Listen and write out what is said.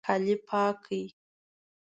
کالي پاک کړئ